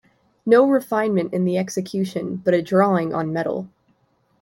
No refinement in the execution, but a drawing on metal.